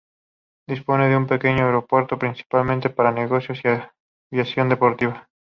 Dispone de un pequeño aeropuerto, principalmente para negocios y aviación deportiva.